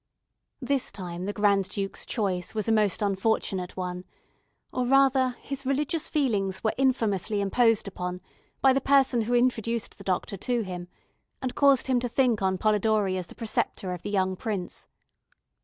This time the Grand Duke's choice was a most unfortunate one, or, rather, his religious feelings were infamously imposed upon by the person who introduced the doctor to him, and caused him to think on Polidori as the preceptor of the young prince.